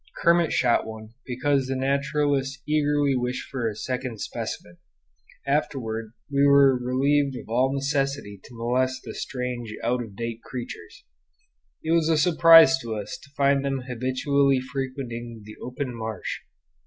Kermit shot one, because the naturalists eagerly wished for a second specimen; afterward we were relieved of all necessity to molest the strange, out of date creatures. It was a surprise to us to find them habitually frequenting the open marsh.